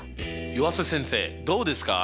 湯浅先生どうですか？